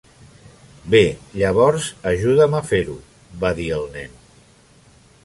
"Bé, llavors ajuda'm a fer-ho", va dir el nen.